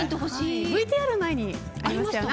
ＶＴＲ内にありましたよね。